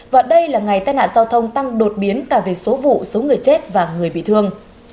và đây là ngày tai nạn giao thông tăng đột biến cả về số vụ số người chết và người bị thương